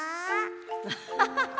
アハハハ！